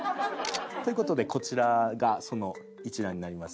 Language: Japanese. という事でこちらがその一覧になります。